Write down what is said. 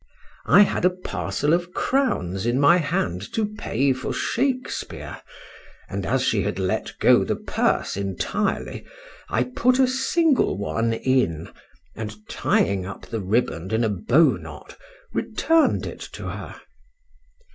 I had a parcel of crowns in my hand to pay for Shakespeare; and, as she had let go the purse entirely, I put a single one in; and, tying up the riband in a bow knot, returned it to her.